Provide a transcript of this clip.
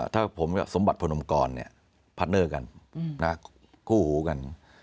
ถ้าผมยังว่าสมบัติผลลงกรเนี่ยพาร์ตเนอร์กันคู่หูกัน